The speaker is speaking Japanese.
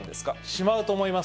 しまうと思います。